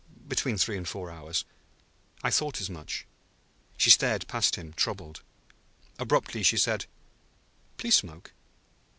"Between three and four hours." "I thought as much." She stared past him, troubled. Abruptly she said: "Please smoke."